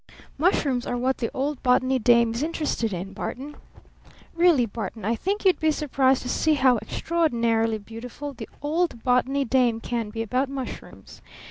Mushrooms are what the old Botany dame is interested in, Barton. Really, Barton, I think you'd be surprised to see how extraordinarily beautiful the old Botany dame can be about mushrooms!